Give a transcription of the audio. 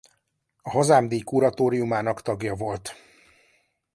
A Hazám-díj kuratóriumának tagja volt.